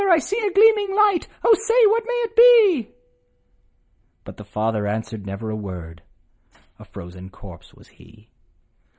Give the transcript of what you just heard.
I see a gleaming light, O say ! what may it be ?' But the father answered never a word, A frozen corpse was he.